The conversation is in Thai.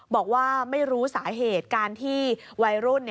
บอกว่าไม่รู้สาเหตุการที่วัยรุ่น